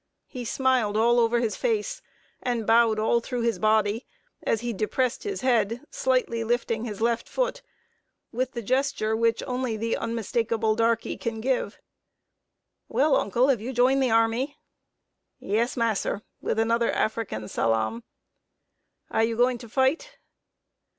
He smiled all over his face, and bowed all through his body, as he depressed his head, slightly lifting his left foot, with the gesture which only the unmistakable darkey can give. "Well, uncle, have you joined the army?" "Yes, mass'r" (with another African salaam). "Are you going to fight?"